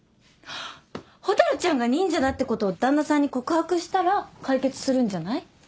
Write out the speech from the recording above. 蛍ちゃんが忍者だってこと旦那さんに告白したら解決するんじゃない？